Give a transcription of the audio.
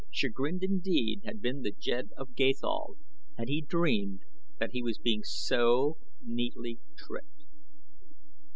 Chagrined indeed had been the Jed of Gathol had he dreamed that he was being so neatly tricked.